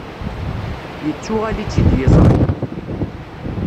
Yettuɣal-itt-id yiẓri.